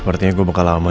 butuh lebih lama kok